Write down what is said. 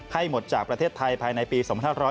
ให้หมดจากประเทศไทยภายในปี๒๕๖๐